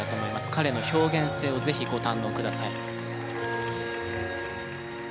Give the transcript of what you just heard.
彼の表現性をぜひご堪能ください。